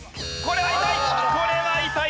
これは痛い！